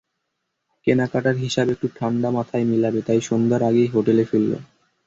কেনাকাটার হিসাব একটু ঠান্ডা মাথায় মিলাবে তাই সন্ধ্যার আগেই হোটেলে ফিরল।